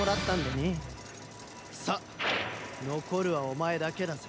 さっ残るはお前だけだぜ。